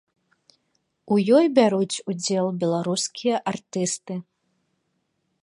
У ёй бяруць удзел беларускія артысты.